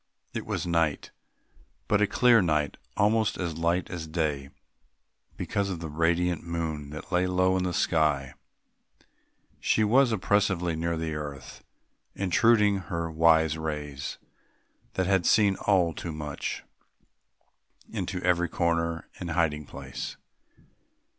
It was night but a clear night; almost as light as day because of the radiant moon that lay low in the sky; she was oppressively near the earth, intruding her wise rays, that had seen all too much, into every corner and hiding place.